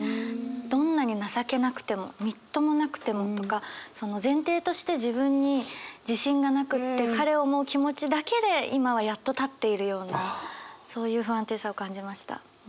どんなに情けなくてもみっともなくてもとかその前提として自分に自信がなくって彼を思う気持ちだけで今はやっと立っているようなそういう不安定さを感じました。